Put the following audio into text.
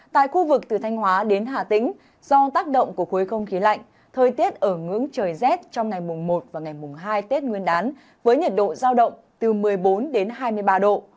tại khu vực từ thanh hóa đến hà tĩnh do tác động của khối không khí lạnh thời tiết ở ngưỡng trời rét trong ngày mùng một và ngày mùng hai tết nguyên đán với nhiệt độ giao động từ một mươi bốn đến hai mươi ba độ